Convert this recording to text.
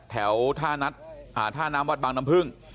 แถวท่านัสอ่าธานามวัดบางน้ำผึ้ง